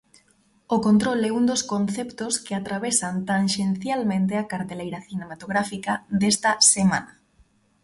O control é un dos conceptos que atravesan tanxencialmente a carteleira cinematográfica desta semana.